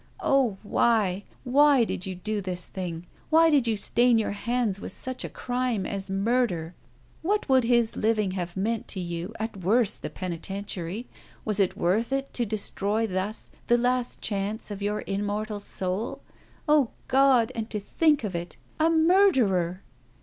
"Oh, why, why did you do this thing? Why did you stain your hands with such a crime as murder? What would his living have meant to you? At worst the penitentiary. Was it worth it to destroy thus the last chance of your immortal soul? Oh, God! And to think of it! A murderer!"